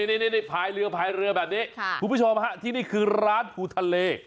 นี่พลายเรือแบบนี้คุณผู้ชมที่นี่คือร้านภูทะเล